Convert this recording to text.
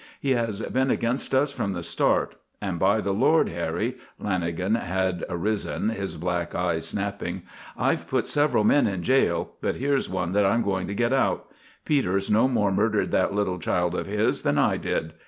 He has been against us from the start. And by the Lord Harry," Lanagan had arisen, his black eyes snapping, "I've put several men in jail, but here's one that I'm going to get out. Peters no more murdered that little child of his than I did.